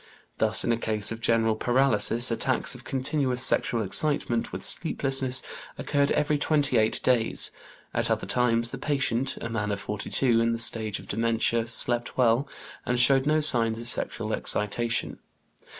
Thus, in a case of general paralysis, attacks of continuous sexual excitement, with sleeplessness, occurred every twenty eight days; at other times, the patient, a man of 42, in the stage of dementia, slept well, and showed no signs of sexual excitation (Société de Biologie, October 6, 1900).